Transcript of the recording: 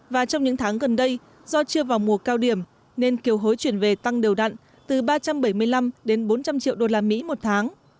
và trong những tháng gần đây do chưa vào mùa cao điểm nên kiều hối chuyển về tăng đều đặn từ ba trăm bảy mươi năm đến bốn trăm linh triệu usd một tháng